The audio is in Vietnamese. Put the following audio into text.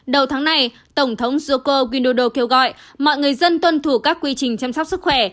đầu tháng này tổng thống joko widodo kêu gọi mọi người dân tuân thủ các quy trình chăm sóc sức khỏe